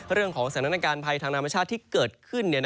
เรื่องของสถานการณ์ภัยทางธรรมชาติที่เกิดขึ้น